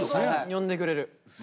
呼んでくれる。